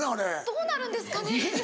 どうなるんですかね？